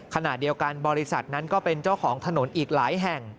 ขณะเดียวกันบริษัทนั้นก็เป็นเจ้าของถนนอีกหลายแห่ง